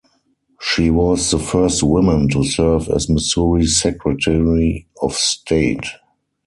She was the first woman to serve as Missouri Secretary of State.